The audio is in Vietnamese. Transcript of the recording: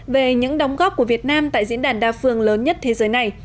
về những đóng góp của việt nam tại diễn đàn đa phương lớn nhất thế giới này